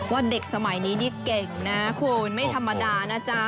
ว่าเด็กสมัยนี้นี่เก่งนะคุณไม่ธรรมดานะจ๊ะ